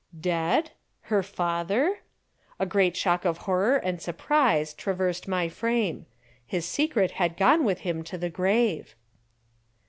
Dead? Her father? A great shock of horror and surprise traversed my frame. His secret had gone with him to the grave.